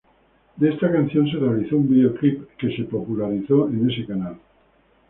De esta canción se realizó un video clip que se popularizó en ese canal.